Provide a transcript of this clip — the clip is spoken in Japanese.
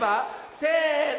せの。